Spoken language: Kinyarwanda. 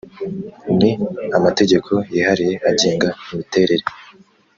ni amategeko yihariye agenga imiterere